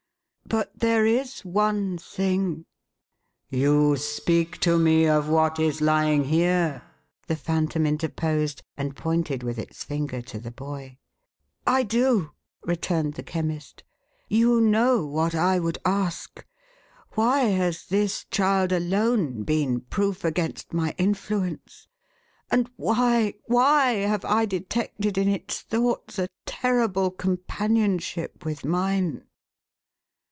But there is one thing —" "You speak to me of what is lying here,"" the Phantom interposed, and pointed with its finger to the boy. " I do," returned the Chemist. " You know what I would ask. Why has this child alone been proof against my influence, and why, why, have I detected in its thoughts a terrible companionship with mine